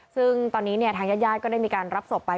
ซึ่งตอนนี้เนี่ยทางยาดก็ได้มีการรับศพไป